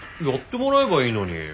やってもらえばいいのに。